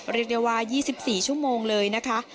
เรียกได้ว่า๒๔ชั่วโมงเลยนะคะ